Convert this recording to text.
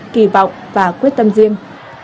kỳ vọng và quyết tâm riêng